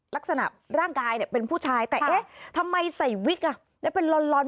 ลักษณะร่างกายเป็นผู้ชายแต่เอ๊ะทำไมใส่วิกเป็นรอน